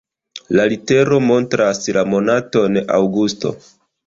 La litero montras la monaton aŭgusto.